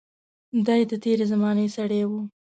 دای د تېرې زمانې سړی و.